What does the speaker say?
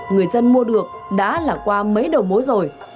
người dân mua được đã là qua mấy đầu mối rồi